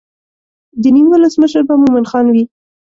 د نیم ولس مشر به مومن خان وي.